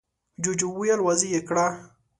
جوجو وويل: واضح يې کړه!